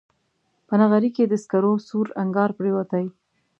په نغري کې د سکرو سور انګار پرېوتی